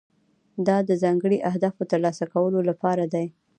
دا د ځانګړو اهدافو د ترلاسه کولو لپاره دی.